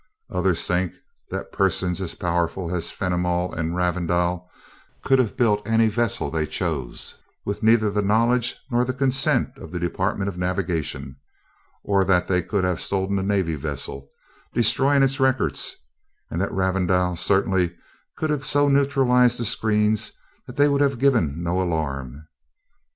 Others think that persons as powerful as Fenimol and Ravindau could have built any vessel they chose with neither the knowledge nor consent of the Department of Navigation, or that they could have stolen a Navy vessel, destroying its records; and that Ravindau certainly could have so neutralized the screens that they would have given no alarm.